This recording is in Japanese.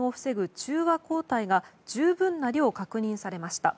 中和抗体が十分な量確認されました。